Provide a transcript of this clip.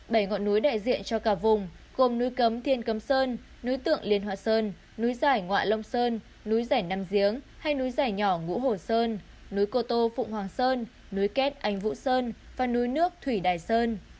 bảy ngọn núi đại diện cho cả vùng gồm núi cấm thiên cấm sơn núi tượng liên họa sơn núi giải ngoại long sơn núi giải nam giếng hay núi giải nhỏ ngũ hổ sơn núi cô tô phụng hoàng sơn núi két ánh vũ sơn và núi nước thủy đài sơn